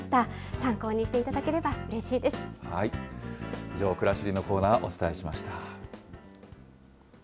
参考にしていただければうれしい以上、くらしりのコーナー、お伝えしました。